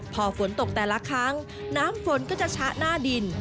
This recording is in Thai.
พอฝนตกแต่ละครั้งน้ำฝนก็จะชะหน้าดิน